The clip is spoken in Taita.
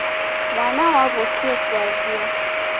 Mwana waw'okie kuavua.